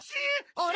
あれ？